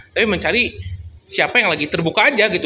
tapi mencari siapa yang lagi terbuka aja gitu